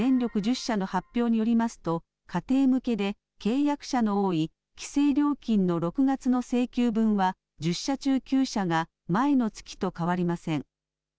大手電力１０社の発表によりますと、家庭向けで契約者の多い規制料金の６月の請求分は１０社中９社が前の月と変わりません。